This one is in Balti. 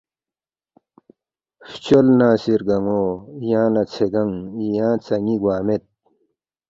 فچول نہ سی رگانو یانگ لا ژھے گنگ یانگ ژا نی گوا مید